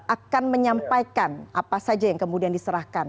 akan menyampaikan apa saja yang kemudian diserahkan